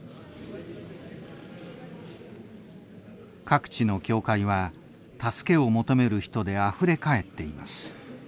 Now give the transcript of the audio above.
各地の教会は助けを求める人であふれ返っています。